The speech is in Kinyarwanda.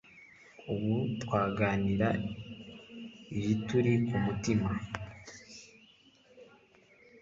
ubu twaganira ibituri ku mutima